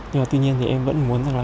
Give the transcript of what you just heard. nhưng mà tuy nhiên thì em vẫn muốn rằng là